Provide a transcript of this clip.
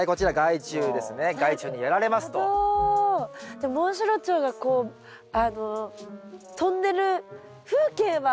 でもモンシロチョウがこうあの飛んでる風景はなんとなく。